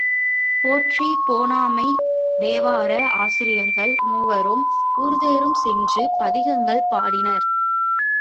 போற்றிப் பேணாமை தேவார ஆசிரியர்கள் மூவரும், ஊர்தோறும் சென்று பதிகங்கள் பாடினர்.